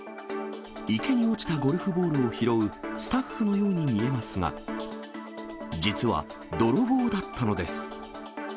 池に落ちたゴルフボールを拾うスタッフのように見えますが、実は、泥棒だったのです。